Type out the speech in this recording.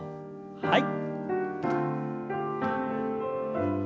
はい。